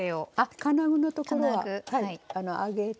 金具のところは上げて。